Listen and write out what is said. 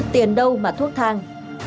đến đâu mà thuốc thang